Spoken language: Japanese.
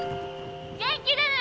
元気でね！